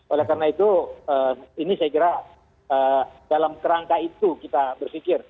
oleh karena itu ini saya kira dalam kerangka itu kita berpikir